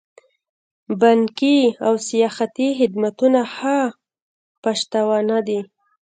بانکي او سیاحتي خدمتونه ښه پشتوانه ده.